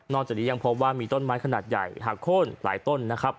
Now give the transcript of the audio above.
จากนี้ยังพบว่ามีต้นไม้ขนาดใหญ่หักโค้นหลายต้นนะครับ